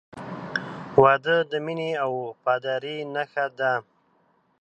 • واده د مینې او وفادارۍ نښه ده.